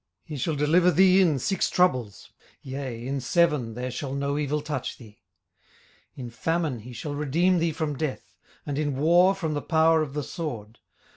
18:005:019 He shall deliver thee in six troubles: yea, in seven there shall no evil touch thee. 18:005:020 In famine he shall redeem thee from death: and in war from the power of the sword.